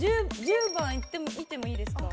１０番行ってみてもいいですか？